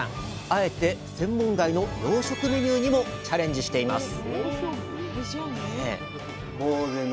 あえて専門外の洋食メニューにもチャレンジしています